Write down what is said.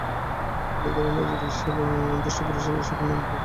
মনে করিও না যে, ঋষি বা দুষ্ট পুরুষেরা ঐ সকল নিয়ম প্রবর্তিত করিয়াছে।